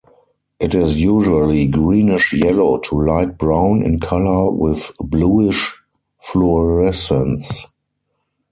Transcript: It is usually greenish yellow to light brown in color with bluish fluorescence.